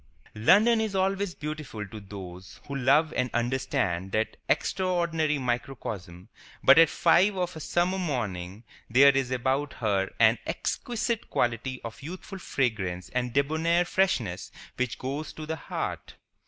London is always beautiful to those who love and understand that extraordinary microcosm; but at five of a summer morning there is about her an exquisite quality of youthful fragrance and debonair freshness which goes to the heart.